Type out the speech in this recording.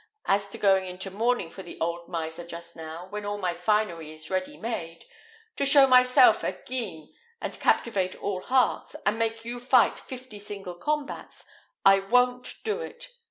As to going into mourning for the old miser just now, when all my finery is ready made, to show myself at Guisnes and captivate all hearts, and make you fight fifty single combats I won't do it.